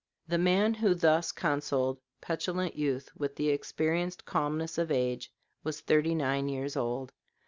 The man who thus counseled petulant youth with the experienced calmness of age was thirty nine years old.